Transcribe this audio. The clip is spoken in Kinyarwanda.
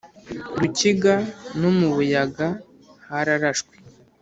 Rukiga no mu Buyaga hararashwe